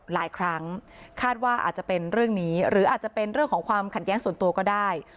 หลายครั้งคาดว่าอาจจะเป็นเรื่องนี้หรืออาจจะเป็นเรื่องของความขัดแย้งส่วนตัวก็ได้